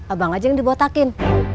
abang aja yang dibotakin